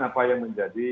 apa yang menjadi